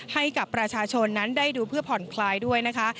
ให้กับประชาชนนั้นได้ดูเพื่อผ่อนคลายด้วยนะคะ